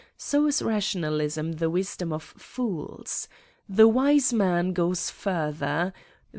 ... So is rationalism the wisdom of fools. The wise man goes further.